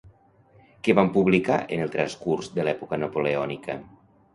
Què van publicar en el transcurs de l'època napoleònica?